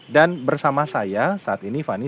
dan bersama saya saat ini fani